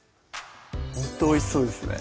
ほんとおいしそうですね